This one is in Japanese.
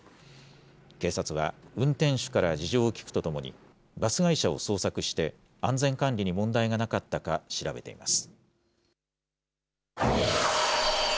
警察は、運転手から事情を聴くとともに、バス会社を捜索して、安全管理に問題がなかったか調べています。